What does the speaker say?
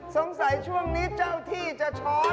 สงสัยช่วงนี้เจ้าที่จะชอต